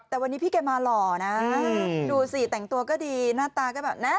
แต่วันนี้พี่แกมาหล่อนะดูสิแต่งตัวก็ดีหน้าตาก็แบบนะ